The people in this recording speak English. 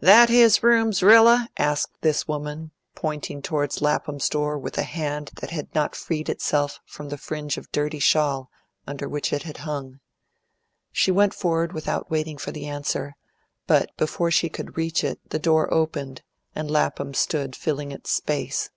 "That his room, Z'rilla?" asked this woman, pointing towards Lapham's door with a hand that had not freed itself from the fringe of dirty shawl under which it had hung. She went forward without waiting for the answer, but before she could reach it the door opened, and Lapham stood filling its space.